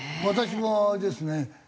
私もあれですね